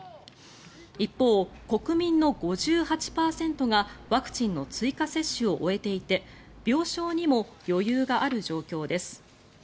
一方、国民の５８％がワクチンの追加接種を終えていて病床にも余裕がある状況です。